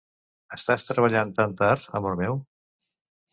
Estàs treballant tan tard, amor meu?